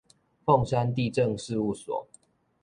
鳳山地政事務所